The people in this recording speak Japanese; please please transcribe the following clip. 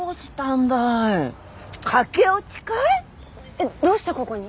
えっ？どうしてここに？